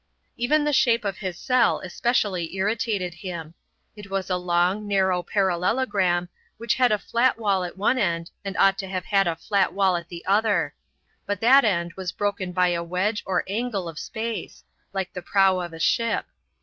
Even the shape of his cell especially irritated him. It was a long, narrow parallelogram, which had a flat wall at one end and ought to have had a flat wall at the other; but that end was broken by a wedge or angle of space, like the prow of a ship.